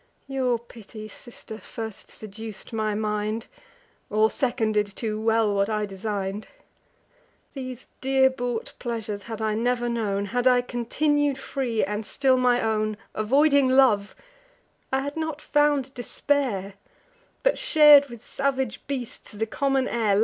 Your pity, sister, first seduc'd my mind, Or seconded too well what I design'd. These dear bought pleasures had I never known, Had I continued free, and still my own; Avoiding love, I had not found despair, But shar'd with salvage beasts the common air.